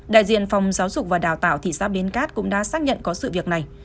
đại diện phòng giáo dục và đào tạo thị xã bến cát cũng đã xác nhận có sự việc này